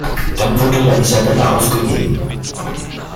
Dann wurde "La Isabela" aufgegeben.